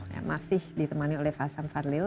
yang masih ditemani oleh fahsam fadlil